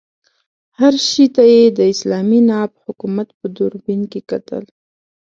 هر شي ته یې د اسلامي ناب حکومت په دوربین کې کتل.